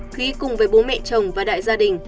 thúy cùng với bố mẹ chồng và đại gia đình